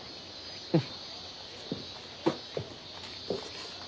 うん。